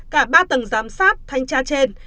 cả ba tầng giám sát thanh tra trên